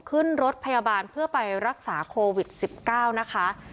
ขึ้นรถพยาบาลเพื่อไปรักษาโควิด๑๙นะคะ